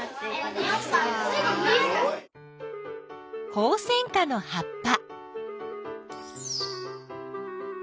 ホウセンカの葉っぱ。